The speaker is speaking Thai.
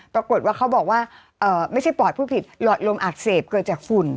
ปรากฏว่าเขาบอกว่าไม่ใช่ปอดพูดผิดหลอดลมอักเสบเกิดจากฝุ่น